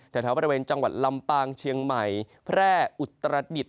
แถวบริเวณจังหวัดลำปางเชียงใหม่แพร่อุตรดิษฐ